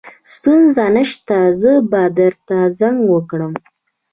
ستونزه نشته زه به درته زنګ وکړم